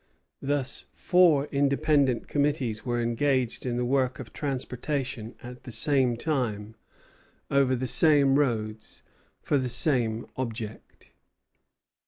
Thus four independent committees were engaged in the work of transportation at the same time, over the same roads, for the same object.